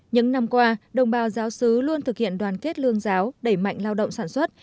những năm qua đồng bào giáo sứ luôn thực hiện đoàn kết lương giáo đẩy mạnh lao động sản xuất